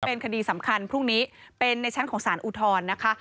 เป็นคดีสำคัญพรุ่งนี้เป็นในชั้นของสารอุทธรณ์นะคะ